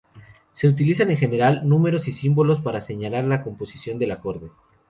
Se utilizan en general, números y símbolos para señalar la composición del acorde.